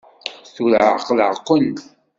Tura ɛeqleɣ-ken!